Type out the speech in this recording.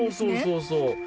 そうそう。